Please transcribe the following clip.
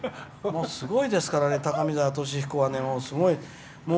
すごいですからね高見沢俊彦はね、すごい。